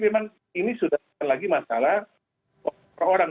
memang ini sudah bukan lagi masalah per orang